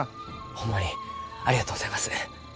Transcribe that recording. ホンマにありがとうございます。